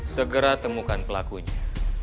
segera temukan pelakunya